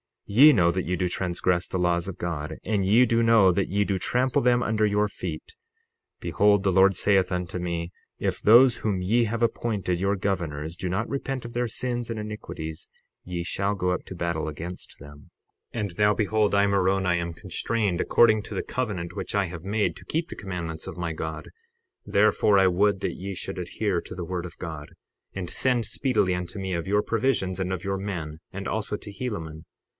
60:33 Ye know that ye do transgress the laws of God, and ye do know that ye do trample them under your feet. Behold, the Lord saith unto me: If those whom ye have appointed your governors do not repent of their sins and iniquities, ye shall go up to battle against them. 60:34 And now behold, I, Moroni, am constrained, according to the covenant which I have made to keep the commandments of my God; therefore I would that ye should adhere to the word of God, and send speedily unto me of your provisions and of your men, and also to Helaman.